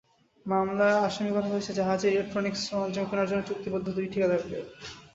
মামলায় আসামি করা হয়েছে জাহাজের ইলেকট্রনিকস সরঞ্জাম কেনার জন্য চুক্তিবদ্ধ দুই ঠিকাদারকে।